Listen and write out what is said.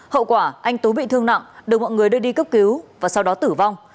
hậu quả anh tú bị thương nặng được mọi người đưa đi cấp cứu và sau đó tử vong